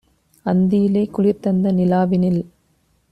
அந்தியிலே குளிர் தந்த நிலாவினில்